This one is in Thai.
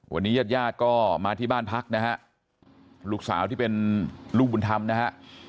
วันนี้ญาติญาติก็มาที่บ้านพักนะฮะลูกสาวที่เป็นลูกบุญธรรมนะฮะ